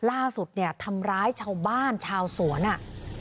่าสุดเนี่ยมีทำร้ายชาวบ้านชาวทรวเนี่ย